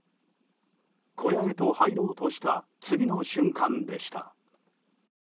小屋へと入ろうとした次の瞬間でした。